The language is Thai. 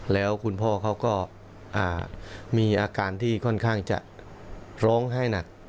แล้วคุณพ่อเขาก็มีอาการที่ค่อนข้างจะร้องไห้หนัก